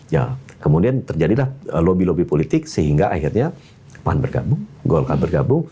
ya kemudian terjadilah lobby lobby politik sehingga akhirnya pan bergabung golkar bergabung